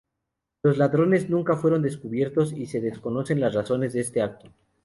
Los ladrones nunca fueron descubiertos, y se desconocen las razones de este acto.